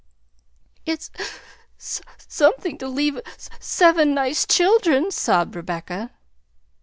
"It's s something to leave s seven nice children," sobbed Rebecca.